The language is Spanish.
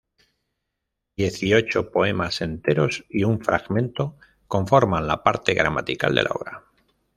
Dieciocho poemas enteros y un fragmento conforman la parte gramatical de la obra.